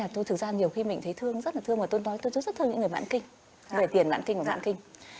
thực ra nhiều khi mình thấy thương rất là thương mà tôi nói tôi rất thương những người mãn kinh người tiền mãn kinh người mãn kinh